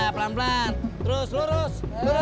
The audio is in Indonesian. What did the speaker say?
pelan pelan terus lurus